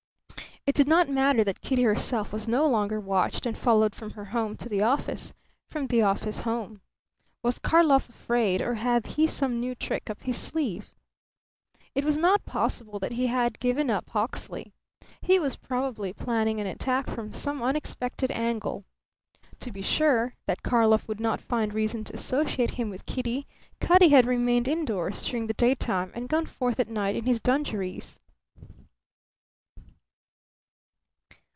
It did not matter that Kitty herself was no longer watched and followed from her home to the office, from the office home. Was Karlov afraid or had he some new trick up his sleeve? It was not possible that he had given up Hawksley. He was probably planning an attack from some unexpected angle. To be sure that Karlov would not find reason to associate him with Kitty, Cutty had remained indoors during the daytime and gone forth at night in his dungarees.